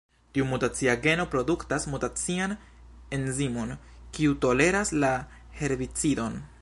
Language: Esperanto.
Tiu mutacia geno produktas mutacian enzimon, kiu toleras la herbicidon.